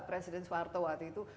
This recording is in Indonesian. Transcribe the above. presiden soeharto waktu itu